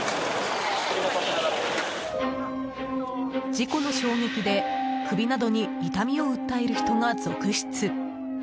事故の衝撃で首などに痛みを訴える人が続出。